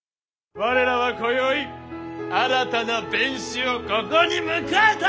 我らはこよい新たな弁士をここに迎えた！